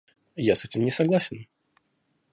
Я с этим не согласен.